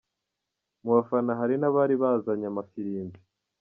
Mu bafana hari n'abari bazanya amafirimbi.